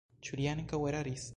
Ĉu li ankaŭ eraris?